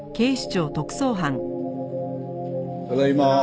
ただいま。